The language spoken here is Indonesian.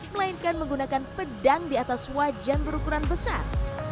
melainkan menggunakan pedang di atas wajan berukuran besar